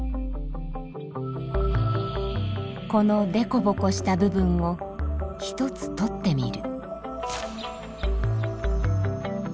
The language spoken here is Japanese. このでこぼこした部分を１つ取ってみる。